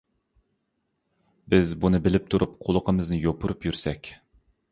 بىز بۇنى بىلىپ تۇرۇپ، قۇلىقىمىزنى يوپۇرۇپ يۈرسەك.